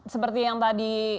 seperti yang tadi